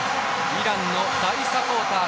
イランの大サポーター